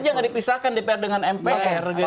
jangan dipisahkan dpr dengan mpr gitu